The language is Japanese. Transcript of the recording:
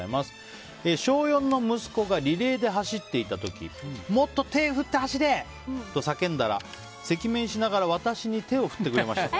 小４の息子がリレーで走っていた時もっと手を振って走れ！と叫んだら赤面しながら私に手を振ってくれました。